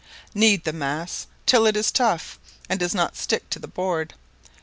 Knead the mass till it is tough, and does not stick to the board.